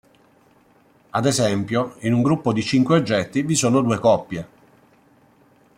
Ad esempio, in un gruppo di cinque oggetti, vi sono due coppie.